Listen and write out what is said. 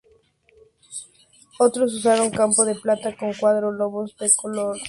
Otros usaron campo de plata con cuatro lobos de su color vueltas las cabezas.